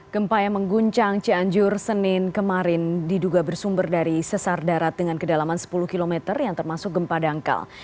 gempa yang mengguncang cianjur senin kemarin diduga bersumber dari sesar darat dengan kedalaman sepuluh km yang termasuk gempa dangkal